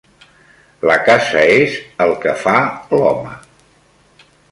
La casa es el que fa l'home.